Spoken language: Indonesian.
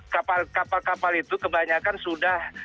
kapal kapal itu kebanyakan sudah